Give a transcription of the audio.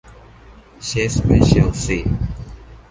เชสไปเชลซี